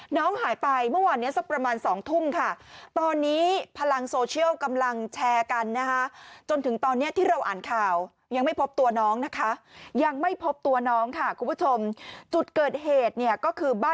น้องหายไปเมื่อวานนี้สักประมาณ๒ทุ่มค่ะ